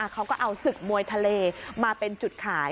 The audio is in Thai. เขาก็เอาศึกมวยทะเลมาเป็นจุดขาย